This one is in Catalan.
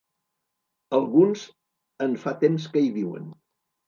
Alguns en fa temps que hi viuen.